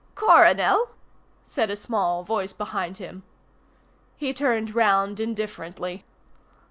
"Coronel!" said a small voice behind him. He turned round indifferently.